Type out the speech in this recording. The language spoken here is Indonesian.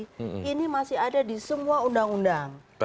ini masih ada di semua undang undang